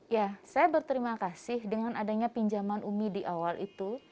ya saya berterima kasih dengan adanya pinjaman umi di awal itu